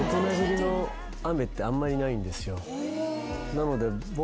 なので僕。